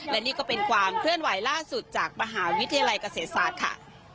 และนี่ก็เป็นความเคลื่อนไหวล่าสุดจากมหาวิทยาลัยเกษตรศาสตร์ค่ะ